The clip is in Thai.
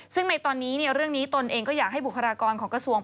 ซึ่งในตอนนี้เรื่องนี้ตนเองก็อยากให้บุคลากรของกระทรวง